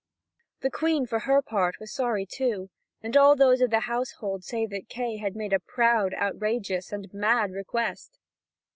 The Queen, for her part, was sorry too, and all those of the household say that Kay had made a proud, outrageous, and mad request.